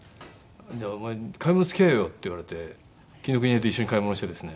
「お前買い物付き合えよ」って言われて紀ノ国屋で一緒に買い物してですね。